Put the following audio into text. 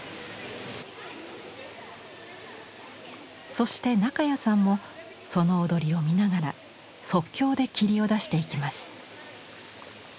そして中谷さんもその踊りを見ながら即興で霧を出していきます。